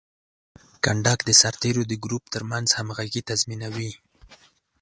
کنډک د سرتیرو د ګروپ ترمنځ همغږي تضمینوي.